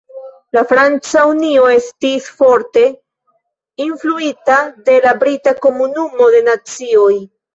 La Franca Unio estis forte influita de la brita Komunumo de Nacioj.